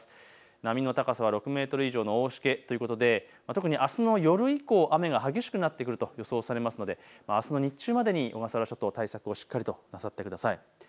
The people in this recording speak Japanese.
波の高さは６メートル以上の大しけということで特にあすの夜以降、雨が激しくなってくると予想されますのであすの日中までに小笠原諸島、対策をしっかりなさってください。